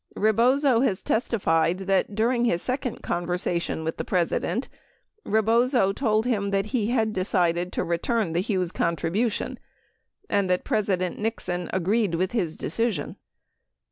Rebozo has testified that during his second conversation with the President, Rebozo told him that he had decided to return the Hughes contribution and that Presi dent Nixon agreed with his decision.